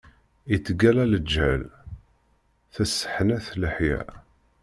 Ittgalla leǧhel, tesseḥnat leḥya.